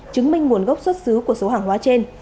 chứng minh nguồn gốc xuất xứ của số hàng hóa trên